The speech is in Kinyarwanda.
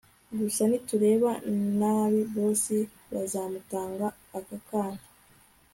gusa nitureba nabi boss bazamutanga aka kana